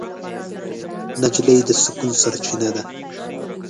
نجلۍ د سکون سرچینه ده.